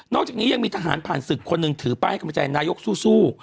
จากนี้ยังมีทหารผ่านศึกคนหนึ่งถือป้ายให้กำลังใจนายกสู้